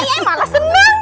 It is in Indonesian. malah senang dia